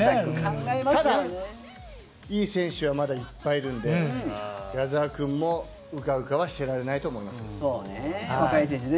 ただ、いい選手はいっぱいいるので、矢澤君もうかうかはしてられないと思います。